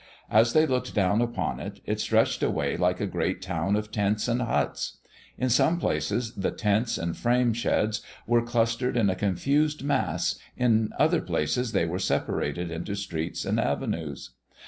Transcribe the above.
As they looked down upon it, it stretched away like a great town of tents and huts. In some places the tents and frame sheds were clustered in a confused mass, in other places they were separated into streets and avenues.